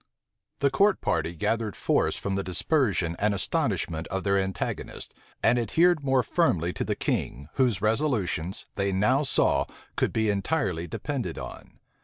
The court party gathered force from the dispersion and astonishment of their antagonists, and adhered more firmly to the king, whose resolutions, they now saw, could be entirely depended on.